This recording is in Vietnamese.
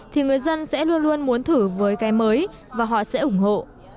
thì người dân sẽ luôn luôn muốn thử với cái mới và họ sẽ ủng hộ